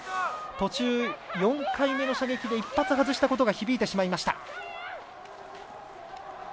途中、４回目の射撃で１発外したことが響いてしまいました。